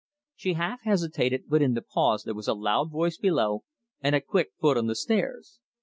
She half hesitated, but in the pause there was a loud voice below and a quick foot on the stairs.